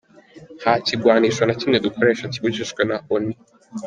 Nta kigwanisho na kimwe dukoresha kibujijwe na Onu.